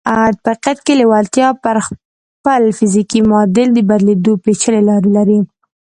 په حقیقت کې لېوالتیا پر خپل فزیکي معادل د بدلېدو پېچلې لارې لري